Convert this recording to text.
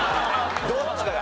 どっちかが。